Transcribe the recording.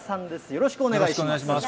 よろしくお願いします。